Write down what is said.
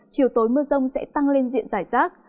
chiều tối mưa rông sẽ tăng lên diện giải rác